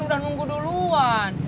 udah nunggu duluan